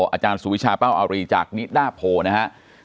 อาจารย์สุวิชาเป้าอารีจากนิดาโพนะครับ